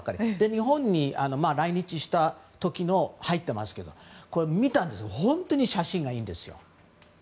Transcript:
日本に来日した時のも入っていますけど見たんですが本当に写真がいいんですよ。